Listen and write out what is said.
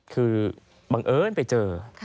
คือบังเอิญไปเจอ